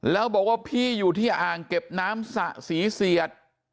แล้วบอกว่าพี่อยู่ที่อ่างเก็บน้ำสะศรีเสียด